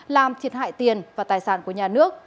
làm thiệt hại tiền và tài sản của nhà nước